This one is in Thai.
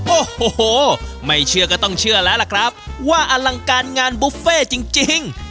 โอ้โหไม่เชื่อก็ต้องเชื่อแล้วล่ะครับว่าอลังการงานบุฟเฟ่จริง